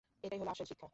এটাই হলো আসল শিক্ষা।